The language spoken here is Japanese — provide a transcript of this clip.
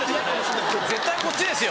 絶対こっちですよ。